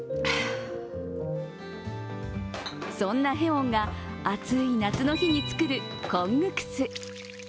そんなへウォンが暑い夏の日に作るコングクス。